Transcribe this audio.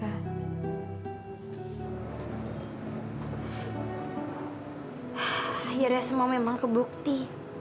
akhirnya semua memang kebukti